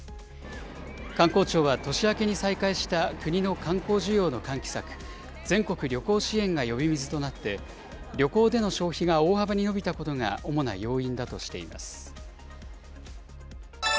観光庁は年明けに再開した国の観光需要の喚起策、全国旅行支援が呼び水となって、旅行での消費が大幅に伸びたことが主な要因だとしています。